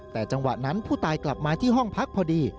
แต่จังหวะนั้นผู้ตายกลับมาที่ห้องพักพอดี